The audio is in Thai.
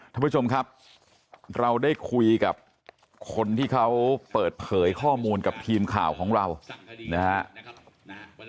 ท่านผู้ชมครับเราได้คุยกับคนที่เขาเปิดเผยข้อมูลกับทีมข่าวของเรานะครับ